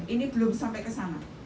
ini belum sampai ke sana